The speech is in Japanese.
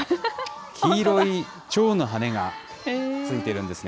黄色いちょうの羽がついているんですね。